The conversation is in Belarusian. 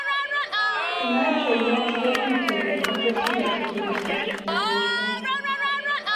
Іначай я асляплю цябе, каб да смерці туды сцежкі не знайшла!